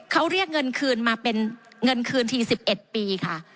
เขาเรียกเงินคืนมาเป็นเงินคืนที๑๑ปีค่ะ